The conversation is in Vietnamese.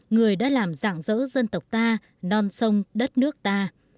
người đã làm dạng dỡ dân tộc ta non sông đất nước ta